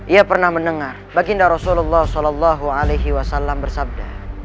ia pernah mendengar baginda rasulullah s a w bersabda